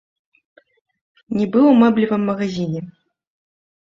Нібы ў мэблевым магазіне.